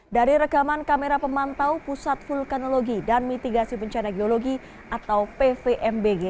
dari rekaman kamera pemantau pusat vulkanologi dan mitigasi bencana geologi atau pvmbg